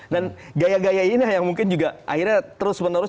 dan gaya gaya ini yang mungkin juga akhirnya terus menerus